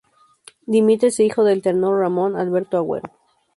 Dimitri es hijo del tenor Ramón Alberto Agüero.